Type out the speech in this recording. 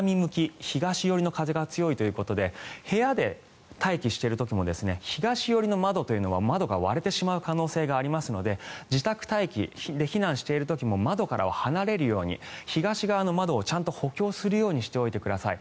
東寄りの風が強いということで部屋で待機している時も東寄りの窓というのは窓が割れてしまう可能性がありますので自宅待機、避難している時も窓から離れるように東側の窓をちゃんと補強するようにしてください。